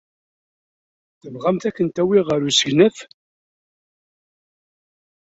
Tebɣamt ad kent-awiɣ ɣer usegnaf?